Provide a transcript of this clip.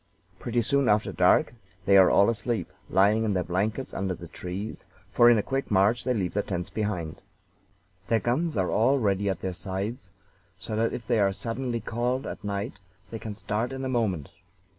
Pretty soon after dark they are all asleep, lying in their blankets under the trees, for in a quick march they leave their tents behind. Their guns are all ready at their sides, so that if they are suddenly called at night they can start in a moment.